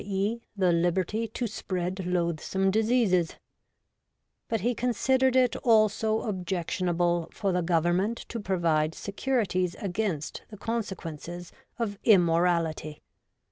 e., the liberty to spread loath some diseases) ;' but he considered it also objection able for the Government to provide securities against the consequences of immorality.